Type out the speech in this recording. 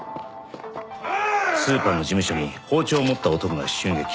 スーパーの事務所に包丁を持った男が襲撃。